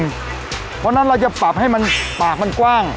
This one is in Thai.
เพราะฉะนั้นเราจะปรับให้มันปากมันกว้าง